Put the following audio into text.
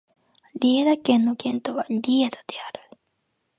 リェイダ県の県都はリェイダである